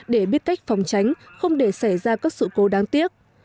để biết cách phòng tránh không để xảy ra các sự cố đáng tiếc